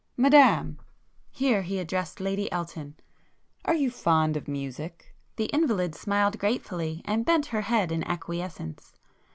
Madame"—here he addressed Lady Elton; "are you fond of music?" The invalid smiled gratefully, and bent her head in acquiescence.